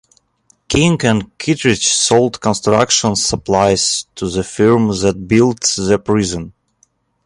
King and Kittredge sold construction supplies to the firm that built the prison.